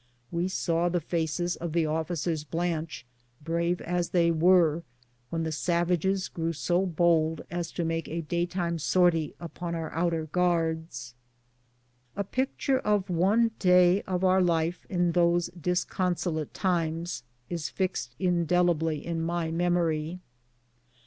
"VYe saw the faces of the oflScers blanch, brave as they were, when the savages grew so bold as to make a daj^ time sortie upon our outer guards. A picture of one day of our life in those disconsolate times is fixed indelibly in my memory.